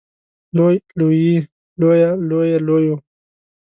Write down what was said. لوی لویې لويه لوې لويو